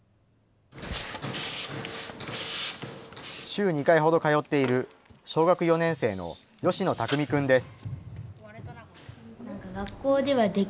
週２回ほど通っている、小学４年生の吉野巧君です。